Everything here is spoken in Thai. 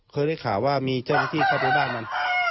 เคยได้ข่าวว่ามีเจ้าหน้าที่เข้าไปบ้านมัน